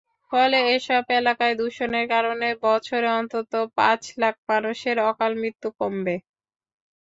ফলে এসব এলাকায় দূষণের কারণে বছরে অন্তত পাঁচ লাখ মানুষের অকালমৃত্যু কমবে।